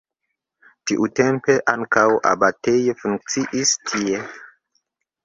Tiutempe ankaŭ abatejo funkciis tie.